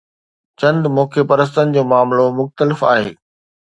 چند موقعي پرستن جو معاملو مختلف آهي.